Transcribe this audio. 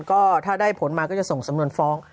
ก็ถ้าได้ผลมาก็จะส่งสำนวนฟ้อง